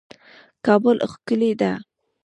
کابل ښکلی ده